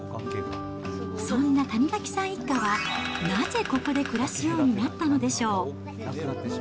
そんな谷垣さん一家はなぜここで暮らすようになったのでしょう。